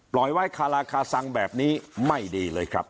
ไว้คาราคาซังแบบนี้ไม่ดีเลยครับ